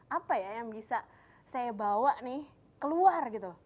apa ya yang bisa saya bawa nih keluar gitu